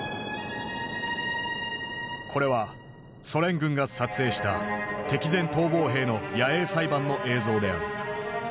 これはソ連軍が撮影した敵前逃亡兵の野営裁判の映像である。